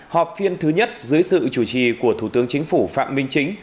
họp phiên thứ nhất dưới sự chủ trì của thủ tướng chính phủ phạm minh chính